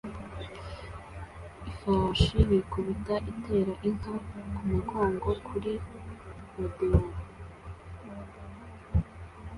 Ifarashi yikubita itera inka kumugongo kuri rodeo